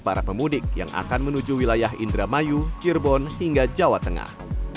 para pemudik yang akan menuju wilayah indramayu cirebon hingga jawa tengah